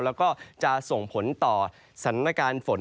แล้วก็จะส่งผลต่อสถานการณ์ฝน